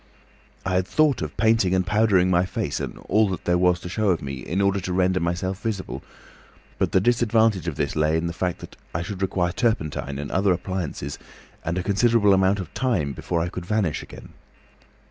"I had thought of painting and powdering my face and all that there was to show of me, in order to render myself visible, but the disadvantage of this lay in the fact that I should require turpentine and other appliances and a considerable amount of time before I could vanish again.